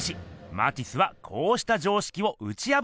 マティスはこうした常識をうちやぶったんです。